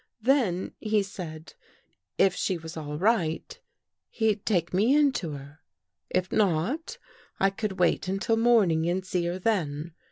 Then, he said, if she was all right, he'd take me in to her. If not, I could wait until morning and see her then.